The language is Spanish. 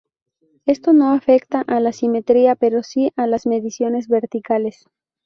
Esto no afecta a la simetría pero si a las mediciones verticales.